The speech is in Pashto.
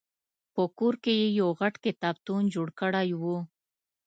په کور کې یې یو غټ کتابتون جوړ کړی و.